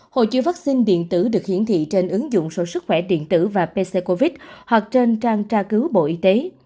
hồ chứa vaccine điện tử được hiển thị trên ứng dụng số sức khỏe điện tử và pc covid hoặc trên trang tra cứu bộ y tế